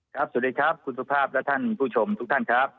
สวัสดีครับคุณสุภาพและท่านผู้ชมทุกท่านครับ